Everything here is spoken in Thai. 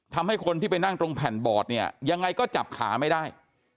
ทำให้คนที่ไปนั่งตรงแผ่นบอร์ดเนี่ยยังไงก็จับขาไม่ได้